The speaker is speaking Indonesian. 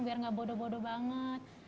biar gak bodoh bodoh banget